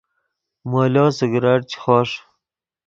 مولو سگریٹ چے خوݰ